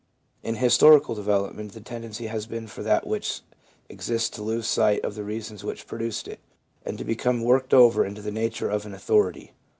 In historical development the tendency has been for that which exists to lose sight of the reasons which produced it, and to become worked over into the nature of an authority.